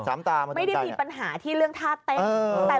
ไม่ได้มีปัญหาที่เรื่องท่าเต้น